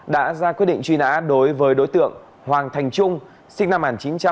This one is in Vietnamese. đã ra quyết định truy nã đối với đối tượng hoàng thành trung sinh năm một nghìn chín trăm tám mươi